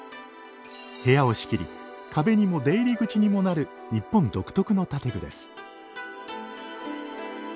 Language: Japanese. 部屋を仕切り壁にも出入り口にもなる日本独特の建具です。